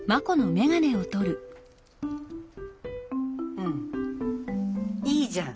うんいいじゃん。